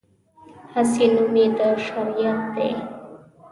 هسې نوم یې د شریعت دی.